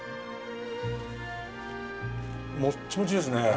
もっちもっちですね。